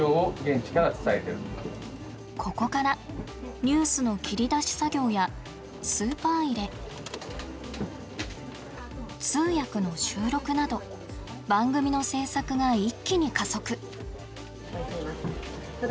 ここからニュースの切り出し作業やスーパー入れ通訳の収録など番組の制作が一気に加速。